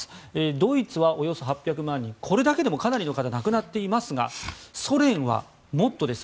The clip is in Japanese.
ドイツはおよそ８００万人これだけでもかなりの方が亡くなっていますがソ連はもっとです。